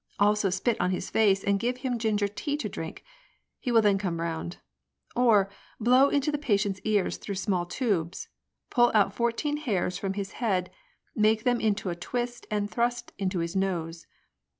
Also spit on his face and give him ginger tea to drink ; he will then come round. Or, Blow into the patient's ears through small tubes, pull out fourteen hairs from his head, make them into a twist and thrust into his nose.